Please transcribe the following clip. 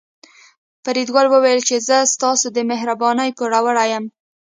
فریدګل وویل چې زه ستاسو د مهربانۍ پوروړی یم